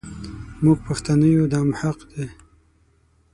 مونږ پښتانه يو دا مو حق دی.